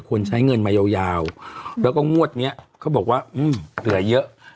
ควรใช้เงินมายาวแล้วก็งวดนี้เพราะว่าหือเหลือเยอะ